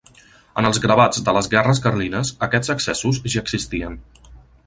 En els gravats de les guerres carlines aquests accessos ja existien.